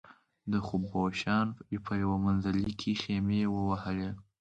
د خبوشان په یو منزلي کې خېمې ووهلې.